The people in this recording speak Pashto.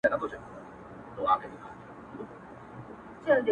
زه چي الله څخه ښكلا په سجده كي غواړم؛